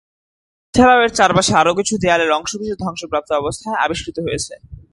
এছাড়াও এর চারপাশে আরো কিছু দেয়ালের অংশবিশেষ ধ্বংসপ্রাপ্ত অবস্থায় আবিষ্কৃত হয়েছে।